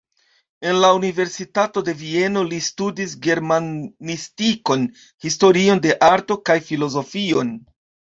En la universitato de Vieno li studis germanistikon, historion de arto kaj filozofion.